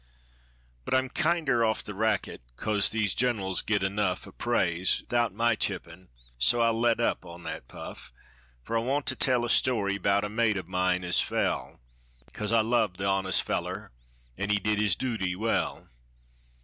But I'm kinder off the racket, cos these gener'ls get enough O' praise 'ithout my chippin', so I'll let up on that puff; Fer I want to tell a story 'bout a mate of mine as fell, Cos I loved the honest fellar, and he did his dooty well.